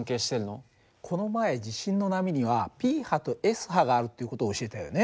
この前地震の波にはＰ波とＳ波があるっていう事を教えたよね。